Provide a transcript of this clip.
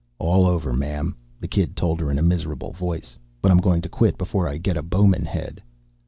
"All over, ma'am," the kid told her in a miserable voice. "But I'm going to quit before I get a Bowman Head."